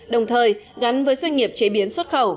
đồng thời gắn với doanh nghiệp chế biến